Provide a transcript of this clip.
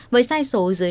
với sai số dưới năm